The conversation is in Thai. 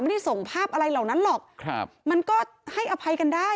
ไม่ได้ส่งภาพอะไรเหล่านั้นหรอกครับมันก็ให้อภัยกันได้